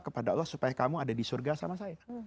kepada allah supaya kamu ada di surga sama saya